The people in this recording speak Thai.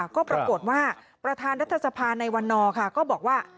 ก็ปรากฏว่าประธานรัฐสภาในวันนอร์ค่ะก็บอกว่า